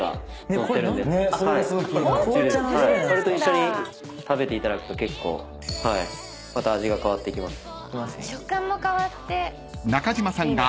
それと一緒に食べていただくと結構また味が変わっていきます。